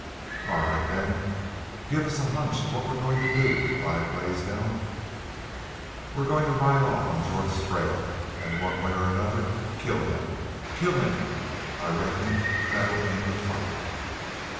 "All right, then. Give us a hunch what we're goin' to do," replied Blaisdell. "We're goin' to ride off on Jorth's trail an' one way or another kill him KILL HIM! ... I reckon that'll end the fight."